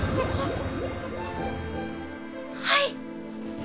はい！